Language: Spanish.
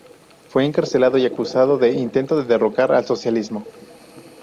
Fue encarcelado y acusado de "intento de derrocar al socialismo".